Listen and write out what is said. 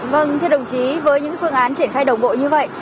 vâng thưa đồng chí với những phương án triển khai đồng bộ như vậy